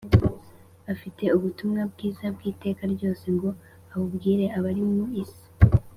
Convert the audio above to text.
afite ubutumwa bwiza bw’iteka ryose ngo abubwira abari mu isi,